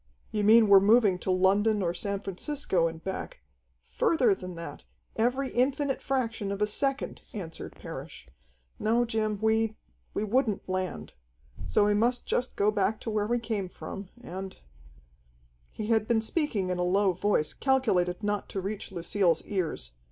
"You mean we're moving to London or San Francisco and back " "Further than that, every infinite fraction of a second," answered Parrish. "No, Jim, we we wouldn't land. So we must just go back to where we came from, and " He had been speaking in a low voice, calculated not to reach Lucille's ears.